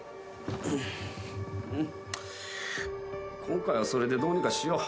今回はそれでどうにかしよう。